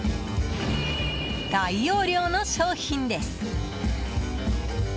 大容量の商品です。